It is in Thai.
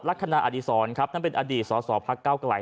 ลักษณะอดีศรครับนั่นเป็นอดีตสอสอภักดิ์เก้าไกล